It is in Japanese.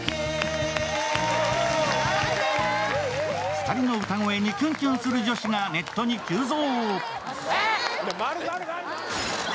２人の歌声にキュンキュンする女子がネットに急増。